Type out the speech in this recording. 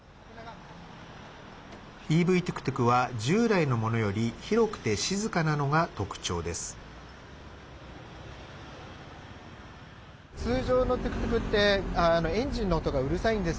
ＥＶトゥクトゥクは従来のものより広くて静かなのが特徴です。